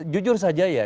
jujur saja ya